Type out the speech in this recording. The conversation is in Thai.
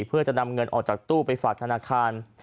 เพื่อจะนำเงินออกจากตู้ไปฝากธนาคาร